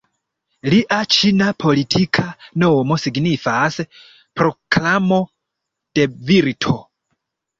Lia ĉina politika nomo signifas "Proklamo de Virto".